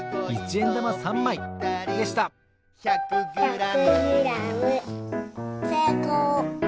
１００グラムせいこう！